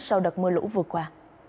sau đợt mưa lũ vừa qua